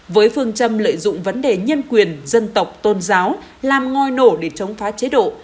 với phương châm lợi dụng vấn đề nhân quyền dân tộc tôn giáo làm ngòi nổ để chống phá chế độ